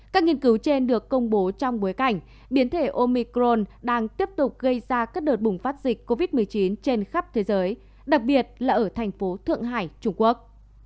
các nghiên cứu trên được công bố trong bối cảnh biến thể omicron đang tiếp tục gây ra các đợt bùng phát dịch covid một mươi chín trên khắp thế giới đặc biệt là ở thành phố thượng hải trung quốc